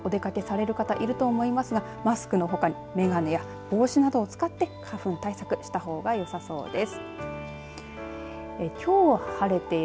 花粉症の方はこのあとお出かけされる方もいると思いますがマスクのほかに眼鏡や帽子などを使って花粉対策したほうがよさそうです。